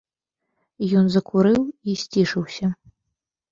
Ён закурыў і сцішыўся.